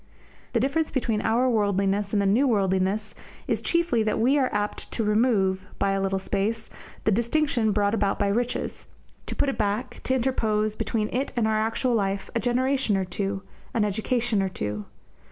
The difference between our worldliness and the New worldliness is chiefly that here we are apt to remove, by a little space, the distinction brought about by riches, to put it back, to interpose, between it and our actual life, a generation or two, an education or two.